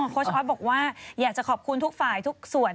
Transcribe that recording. ชอตบอกว่าอยากจะขอบคุณทุกฝ่ายทุกส่วน